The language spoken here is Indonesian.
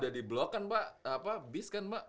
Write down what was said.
udah di blok kan pak bis kan pak